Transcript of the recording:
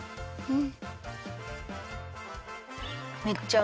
うん！